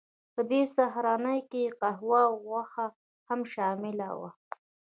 په دې سهارنۍ کې قهوه او غوښه هم شامله وه